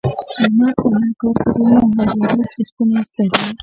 احمد په هر کار کې ډېر ماهر دی. ډېر کسبونه یې زده دي.